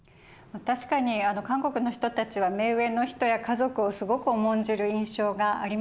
確かに韓国の人たちは目上の人や家族をすごく重んじる印象がありますよね。